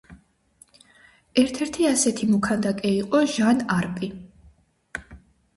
ერთ-ერთი ასეთი მოქანდაკე იყო ჟან არპი.